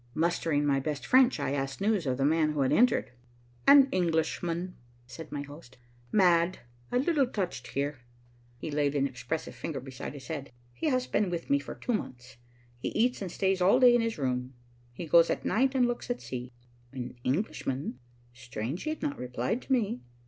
Mustering my best French, I asked news of the man who had entered. "An Englishman," said my host, "mad, a little touched here;" he laid an expressive finger beside his head. "He has been with me for two months. He eats and stays all day in his room. He goes at night and looks at the sea." An Englishman! Strange he had not replied to me.